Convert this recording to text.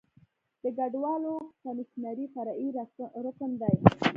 د کډوالو کمیشنري فرعي رکن دی.